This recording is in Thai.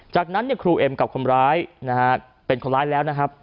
จากนั้นครูเอ็มกับคนร้ายนะฮะเป็นคนร้ายแล้วนะครับ